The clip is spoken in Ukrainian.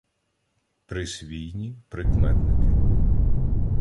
Присвійні прикметники